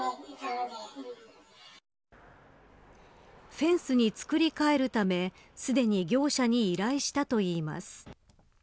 フェンスに作り替えるためすでに業者に依頼したといいます。